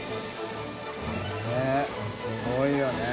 ねぇすごいよね。